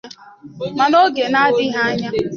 mana oge na-adịghị anya